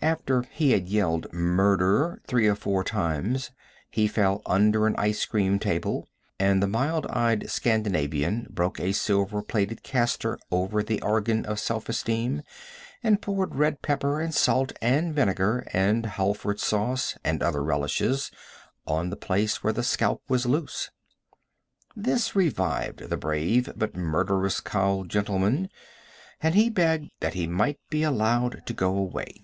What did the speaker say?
After he had yelled "Murder!" three or four times, he fell under an ice cream table, and the mild eyed Scandinavian broke a silver plated castor over the organ of self esteem, and poured red pepper, and salt, and vinegar, and Halford sauce and other relishes, on the place where the scalp was loose. This revived the brave but murderous cow gentleman, and he begged that he might be allowed to go away.